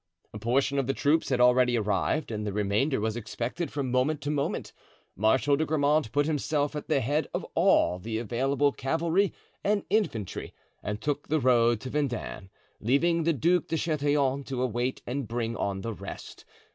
A portion of the troops had already arrived and the remainder was expected from moment to moment. Marshal de Grammont put himself at the head of all the available cavalry and infantry and took the road to Vendin, leaving the Duc de Chatillon to await and bring on the rest.